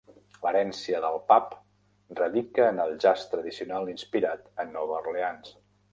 L'herència del pub radica en el jazz tradicional inspirat a Nova Orleans.